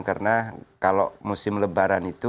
karena kalau musim lebaran itu